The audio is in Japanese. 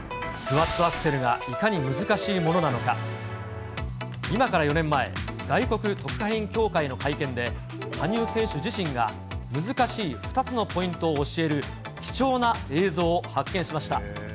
クワッドアクセルがいかに難しいものなのか、今から４年前、外国特派員協会での会見で、羽生選手自身が難しい２つのポイントを教える貴重な映像を発見しました。